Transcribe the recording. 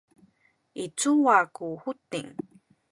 i cuwa ku Huting?